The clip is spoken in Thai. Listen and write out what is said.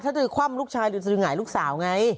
สดือคว่ำลูกชายหรือสดือหงายลูกสาวไง